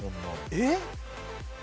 えっ？